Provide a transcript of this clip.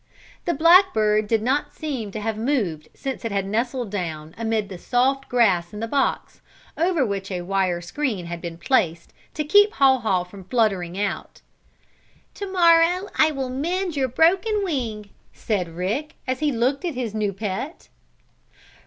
The black bird did not seem to have moved since it had nestled down amid the soft grass in the box, over which a wire screen had been placed to keep Haw Haw from fluttering out. "To morrow I will mend your broken wing," said Rick, as he looked at his new pet.